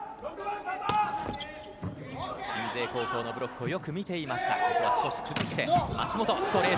鎮西高校のブロックをよく見ていました。